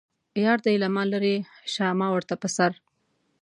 یار دې له ما لرې شه ما ورته په سر.